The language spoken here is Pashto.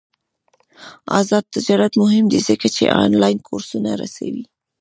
آزاد تجارت مهم دی ځکه چې آنلاین کورسونه رسوي.